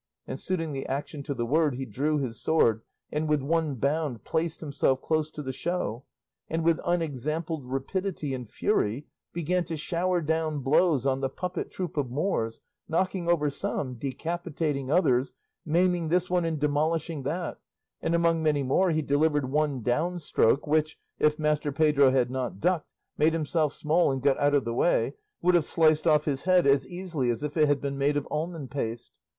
and suiting the action to the word, he drew his sword, and with one bound placed himself close to the show, and with unexampled rapidity and fury began to shower down blows on the puppet troop of Moors, knocking over some, decapitating others, maiming this one and demolishing that; and among many more he delivered one down stroke which, if Master Pedro had not ducked, made himself small, and got out of the way, would have sliced off his head as easily as if it had been made of almond paste.